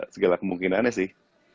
segala kemungkinannya sih